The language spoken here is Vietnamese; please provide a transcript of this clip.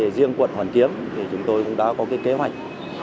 riêng quận hoàn kiếm thì chúng tôi cũng đã có kế hoạch